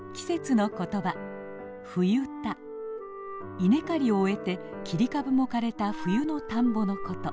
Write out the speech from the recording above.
稲刈りを終えて切り株も枯れた冬の田んぼのこと。